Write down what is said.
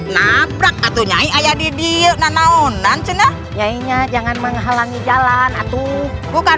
nabrak atuh nyanyi ayah didiuk nanonan jenah nyanyi jangan menghalangi jalan atuh bukan